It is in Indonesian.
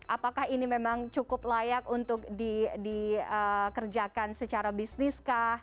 apakah ini memang cukup layak untuk dikerjakan secara bisnis kah